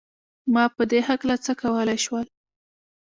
ما په دې هکله څه کولای شول؟